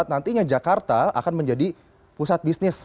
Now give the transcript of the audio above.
nantinya jakarta akan menjadi pusat bisnis